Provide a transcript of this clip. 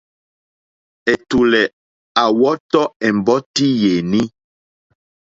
Ɛ̀tùlɛ̀ à wɔ́tɔ̀ ɛ̀mbɔ́tí yèní.